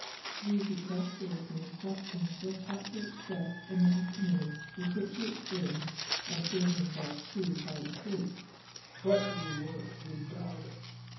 These exasperating reflections were partly expressed in the acrimony with which he exclaimed, on feeling himself pulled by the cloak: "What do you want, you dog?"